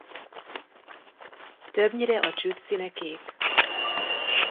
Többnyire a csüd színe kék.